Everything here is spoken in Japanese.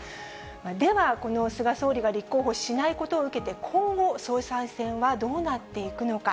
では、この菅総理が立候補しないことを受けて、今後、総裁選はどうなっていくのか。